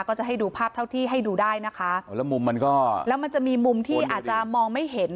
ก็จะให้ดูภาพเท่าที่ให้ดูได้นะคะอ๋อแล้วมุมมันก็แล้วมันจะมีมุมที่อาจจะมองไม่เห็น